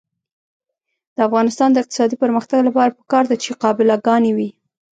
د افغانستان د اقتصادي پرمختګ لپاره پکار ده چې قابله ګانې وي.